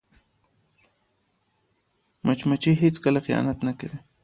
مچمچۍ هیڅکله خیانت نه کوي